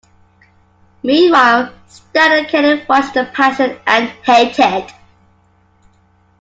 Meanwhile, Stan and Kenny watch "The Passion" and hate it.